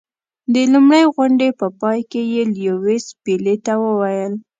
د لومړۍ غونډې په پای کې یې لیویس پیلي ته وویل.